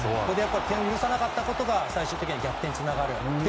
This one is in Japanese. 点を許さなかったことが最終的に逆転につながる。